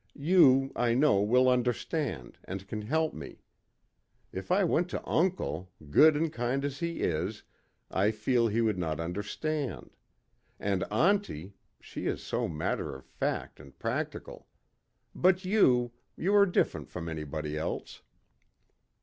You, I know, will understand, and can help me. If I went to uncle, good and kind as he is, I feel he would not understand. And auntie, she is so matter of fact and practical. But you you are different from anybody else."